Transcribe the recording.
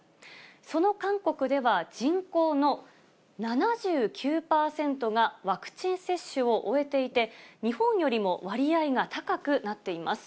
その韓国では、人口の７９％がワクチン接種を終えていて、日本よりも割合が高くなっています。